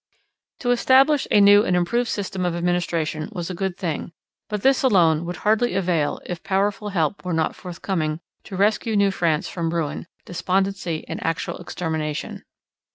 To establish a new and improved system of administration was a good thing, but this alone would hardly avail if powerful help were not forthcoming to rescue New France from ruin, despondency, and actual extermination.